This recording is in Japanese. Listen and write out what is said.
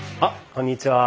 こんにちは。